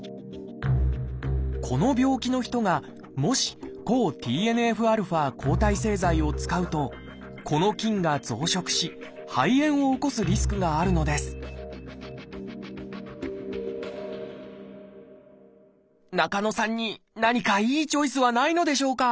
この病気の人がもし抗ＴＮＦ−α抗体製剤を使うとこの菌が増殖し肺炎を起こすリスクがあるのです中野さんに何かいいチョイスはないのでしょうか？